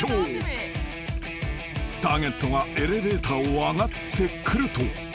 ［ターゲットがエレベーターを上がってくると］